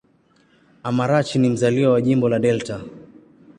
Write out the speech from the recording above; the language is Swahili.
Amarachi ni mzaliwa wa Jimbo la Delta.